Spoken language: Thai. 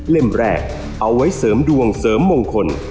แรกเอาไว้เสริมดวงเสริมมงคล